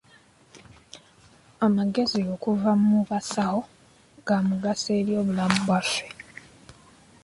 Amagezi okuva mu basawo ga mugaso eri obulamu bwaffe.